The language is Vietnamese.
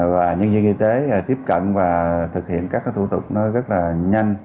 và nhân viên y tế tiếp cận và thực hiện các thủ tục nó rất là nhanh